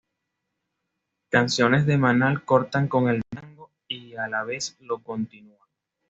Canciones de Manal cortan con el tango y a la vez lo continúan.